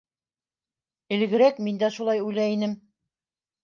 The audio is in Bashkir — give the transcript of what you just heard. Элегерәк мин дә шулай уйлай инем...